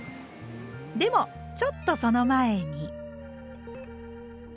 でもちょっとその前に。